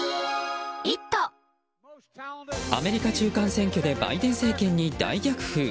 アメリカ中間選挙でバイデン政権に大逆風。